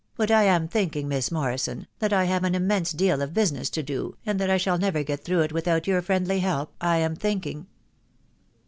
but I thinking, Miss Morrisson, that I have an immense deal of business to do, and that I shall never get through it without your friendly help .... I am thinking.